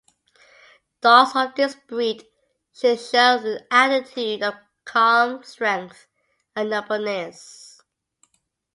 Dogs of this breed should show an attitude of calm strength and nobleness.